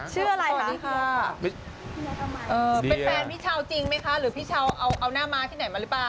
ชื่ออะไรสวัสดีค่ะเป็นแฟนพี่เช้าจริงไหมคะหรือพี่เช้าเอาหน้าม้าที่ไหนมาหรือเปล่า